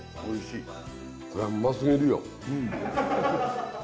おいしい。